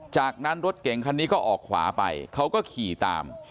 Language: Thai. จากนั้นรถเก่งคันนี้ก็ออกขวาไปเขาก็ขี่ตาม